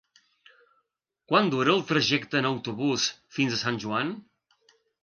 Quant dura el trajecte en autobús fins a Sant Joan?